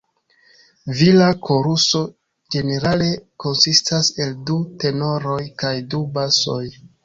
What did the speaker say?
Vira koruso ĝenerale konsistas el du tenoroj kaj du basoj.